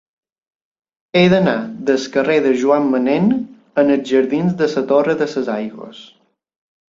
He d'anar del carrer de Joan Manén als jardins de la Torre de les Aigües.